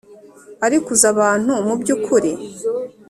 ariko uzi abantu mubyukuri